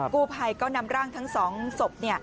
กู้ภัยก็นำร่างทั้ง๒ศพ